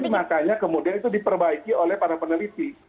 jadi makanya kemudian itu diperbaiki oleh para peneliti